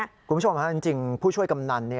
คุณผู้ชมจริงผู้ช่วยกำนัน